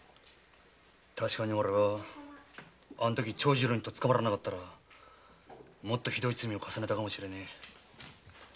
確かに俺はあのとき長次郎に取っ捉まらなかったらもっとひどい罪を重ねたかもしれねえ。